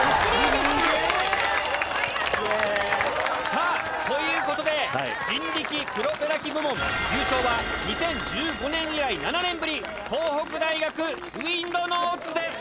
さあという事で人力プロペラ機部門優勝は２０１５年以来７年ぶり東北大学Ｗｉｎｄｎａｕｔｓです！